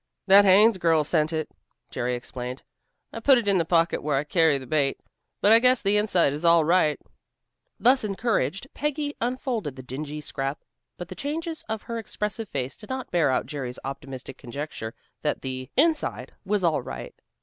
"That Haines girl sent it," Jerry explained. "I put it in the pocket where I carry the bait, but I guess the inside is all right." Thus encouraged, Peggy unfolded the dingy scrap, but the changes of her expressive face did not bear out Jerry's optimistic conjecture that the "inside" was all right.